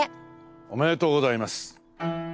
おめでとうございます！